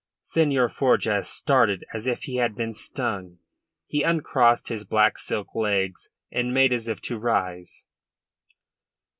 Senhor Forjas started as if he had been stung. He uncrossed his black silk legs and made as if to rise.